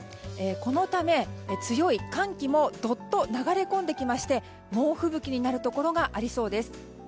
このため、強い寒気もどっと流れ込んできまして猛吹雪になるところがありそうです。